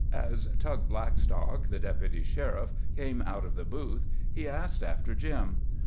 As Tug Blackstock, the Deputy Sheriff, came out of the booth he asked after Jim.